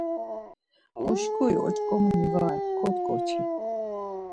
Uşkuri oç̌ǩomoni va ren, kot̆ǩoçi.